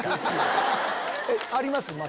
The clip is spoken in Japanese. あります？